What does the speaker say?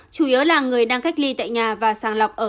chủ yếu là người đang cách ly tại nhà và sàng lọc ở